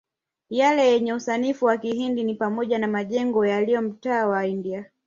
Yale yenye usanifu wa kihindi ni pamoja na majengo yaliyo mtaa wa India